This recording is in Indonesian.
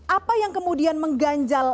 apa yang kemudian mengganjal